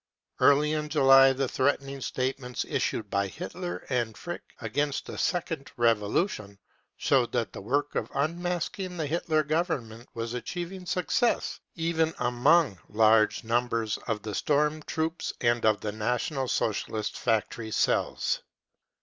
Early in July the threatening statements issued by Hitler and Frick against a " second revolution " showed that the work of unmasking the Hitler Government was achieving success even among GERMAN workers fight against fascism 335 large numbers of the storm troops and of the National Socialist factory cells.